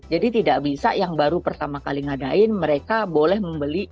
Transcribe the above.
jadi tidak bisa yang baru pertama kali ngadain mereka boleh membeli